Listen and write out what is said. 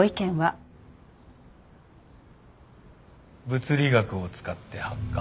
物理学を使って発火。